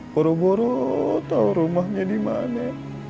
boro boro tau rumahnya dimana